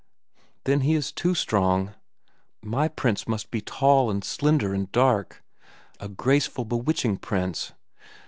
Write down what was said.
Then he is too strong. My prince must be tall, and slender, and dark—a graceful, bewitching prince.